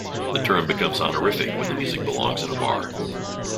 The term becomes honorific when the music belongs in a bar.